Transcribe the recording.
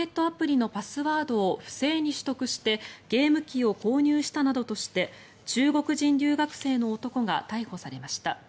アプリのパスワードを不正に取得してゲーム機を購入したなどとして中国人留学生の男が逮捕されました。